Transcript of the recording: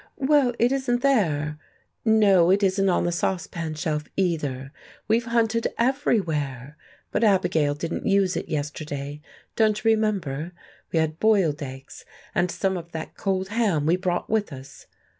"Well, it isn't there.... No, it isn't on the saucepan shelf, either—we've hunted everywhere.... But Abigail didn't use it yesterday—don't you remember? We had boiled eggs, and some of that cold ham we brought with us....